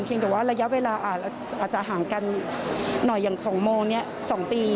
เพียงแต่ว่าระยะเวลาอาจจะห่างกันหน่อยอย่างของโม๒ปี